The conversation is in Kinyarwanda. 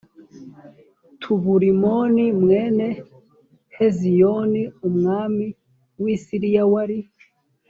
taburimoni mwene heziyoni umwami w i siriya wari